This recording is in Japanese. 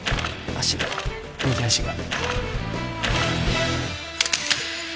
足が右足が